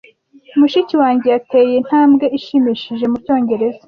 Mushiki wanjye yateye intambwe ishimishije mucyongereza.